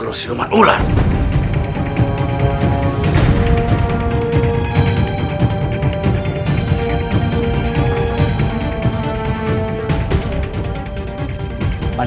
kalau di ke sowas panggung saya ketat pas